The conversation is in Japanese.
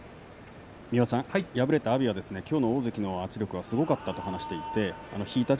敗れた阿炎はきょうの大関の圧力がすごかったと言っていました。